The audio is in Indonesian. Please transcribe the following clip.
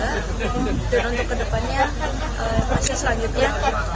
dan untuk kedepannya masih selanjutnya